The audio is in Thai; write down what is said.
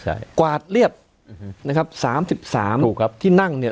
ใช่กวาดเรียบนะครับ๓๓ที่นั่งเนี่ย